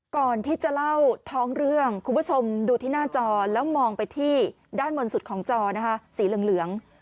ก่อนที่จะเล่าท้องเรื่องคุณผู้ชมดูที่หน้าจอแล้วมองไปที่ด้านบนสุดของจอนะคะสีเหลือง